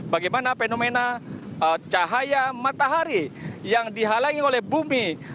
bagaimana fenomena cahaya matahari yang dihalangi oleh bumi